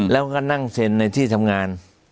แล้วก็นั่งเซ็นในที่ทำงาน